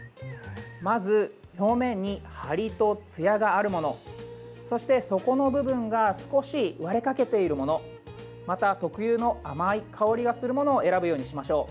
まず表面にハリとつやがあるものそして底の部分が少し割れかけているものまた特有の甘い香りがするものを選ぶようにしましょう。